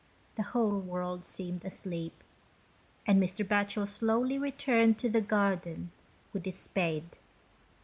The whole world seemed asleep, and Mr. Batchel slowly returned to the garden with his spade.